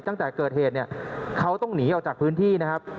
ตั้งแต่เกิดเหตุเนี่ยเขาต้องหนีออกจากพื้นที่นะครับ